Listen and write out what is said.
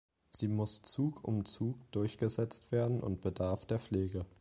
Sie muss Zug um Zug durchgesetzt werden und bedarf der Pflege.